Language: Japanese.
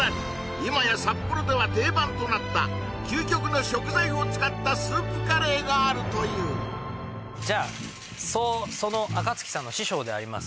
今や札幌では定番となった究極の食材を使ったスープカレーがあるというじゃその暁さんの師匠であります